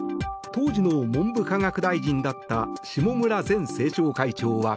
当時の文部科学大臣だった下村前政調会長は。